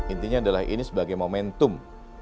intinya adalah ini sebagai momentum